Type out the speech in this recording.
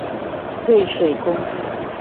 瑞水公路